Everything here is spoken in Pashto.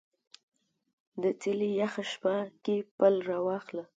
د څیلې یخه شپه کې پل راواخله